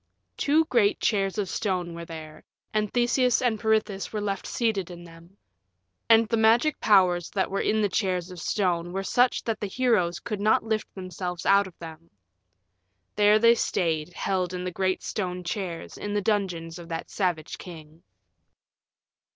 Two great chairs of stone were there, and Theseus and Peirithous were left seated in them. And the magic powers that were in the chairs of stone were such that the heroes could not lift themselves out of them. There they stayed, held in the great stone chairs in the dungeons of that savage king.